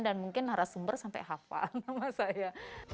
dan mungkin narasumber sampai hafal nama saya